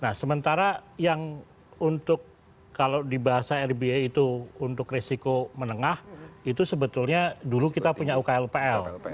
nah sementara yang untuk kalau dibahasa rp itu untuk risiko menengah itu sebetulnya dulu kita punya ukl upl